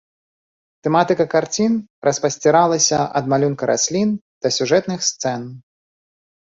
Тэматыка карцін распасціраліся ад малюнка раслін да сюжэтных сцэн.